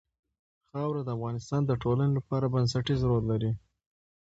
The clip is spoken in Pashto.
خاوره د افغانستان د ټولنې لپاره بنسټيز رول لري.